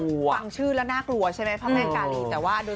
กลางชื่อน่ากลัวใช่ไหมพระแม่กาลี